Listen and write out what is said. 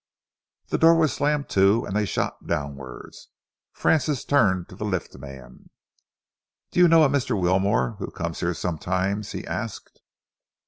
The door was slammed to and they shot downwards. Francis turned to the lift man. "Do you know a Mr. Wilmore who comes here sometimes?" he asked.